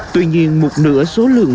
tuy nhiên một nửa số lượng